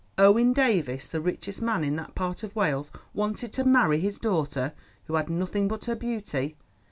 Owen Davies, the richest man in that part of Wales, wanted to marry his daughter, who had nothing but her beauty.